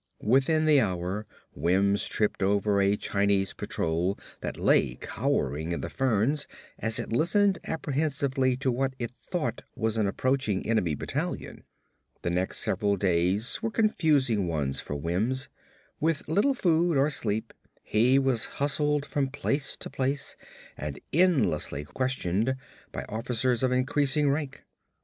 Within the hour Wims tripped over a Chinese patrol that lay cowering in the ferns as it listened apprehensively to what it thought was an approaching enemy battalion. The next several days were confusing ones for Wims. With little food or sleep he was hustled from place to place and endlessly questioned by officers of increasing rank.